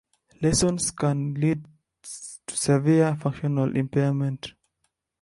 Lesions can lead to severe functional impairment.